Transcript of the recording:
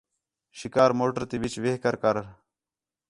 شِکار موٹر تی وِچ وہ کر کر